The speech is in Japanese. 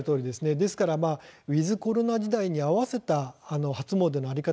ですからウィズコロナ時代に合わせた初詣の在り方